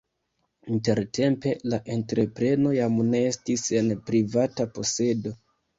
Intertempe la entrepreno jam ne estis en privata posedo.